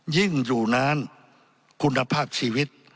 อยู่นานคุณภาพชีวิต